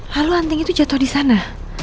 lalu anting itu jatuh di sana